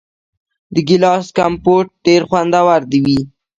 د ګیلاس کمپوټ ډیر خوندور وي.